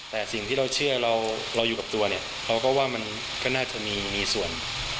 แต่สิ่งที่เราเชื่อเราอยู่กับตัวเนี่ยเราก็ว่ามันก็น่าจะมีส่วน